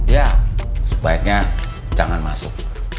ya sebaiknya jangan masuk